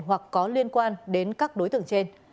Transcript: hoặc có liên quan đến các đối tượng trên